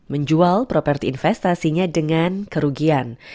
menjual properti investasinya dengan kerugian